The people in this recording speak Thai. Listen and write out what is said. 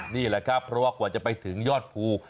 นี่แหละครับเพราะว่ากว่าจะไปถึงยอดภู